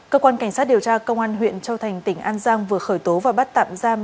cơ quan cảnh sát điều tra công an huyện châu thành tỉnh an giang vừa khởi tố và bắt tạm giam